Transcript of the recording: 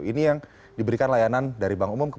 ini yang diberikan layanan dari bank umum